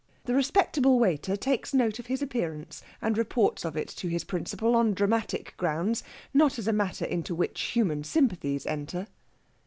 The respectable waiter takes note of his appearance, and reports of it to his principal on dramatic grounds, not as a matter into which human sympathies enter.